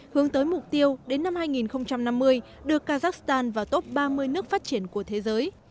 hướng tới mục tiêu đến năm hai nghìn năm mươi đưa kazakhstan vào top ba mươi nước phát triển của thế giới